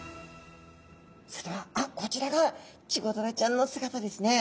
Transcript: それではあっこちらがチゴダラちゃんの姿ですね。